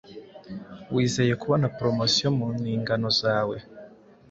wizeye kubona promotion mu nhingano zawe